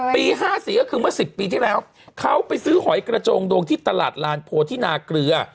ปี๕๔ก็คือเมื่อ๑๐ปีที่แล้วเขาไปซื้อหอยกระโจงโดงที่ตลาดลานโพธินาเกลือ